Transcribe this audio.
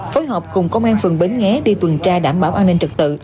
phối hợp cùng công an phường bến nghé đi tuần tra đảm bảo an ninh trật tự